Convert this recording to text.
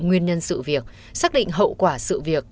nguyên nhân sự việc xác định hậu quả sự việc